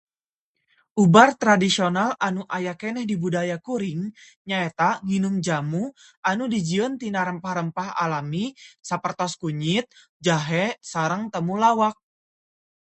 Ubar tradisional anu aya keneh di budaya kuring nyaeta nginum jamu anu dijieun tina rempah-rempah alami, sapertos kunyit, jahe, sareng temulawak.